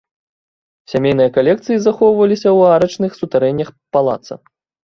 Сямейныя калекцыі захоўваліся ў арачных сутарэннях палаца.